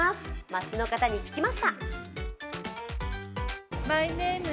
街の方に聞きました。